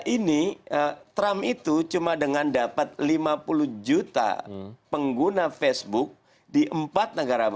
ini trump itu cuma dengan dapat lima puluh juta pengguna facebook di empat negara